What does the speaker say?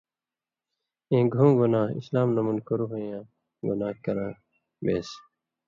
اېں گُھوں گناہ (اسلام نہ مُنکُر ہُوئ یاں گناہ) کراں بېن٘س۔